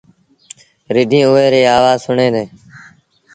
رڍينٚ اُئي ريٚ آوآز سُڻيݩ دينٚ